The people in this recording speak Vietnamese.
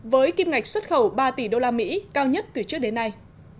với kim ngạch xuất khẩu ba tỷ đô la mỹ cao nhất từ trước đến nay